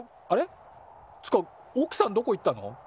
っつかおくさんどこ行ったの？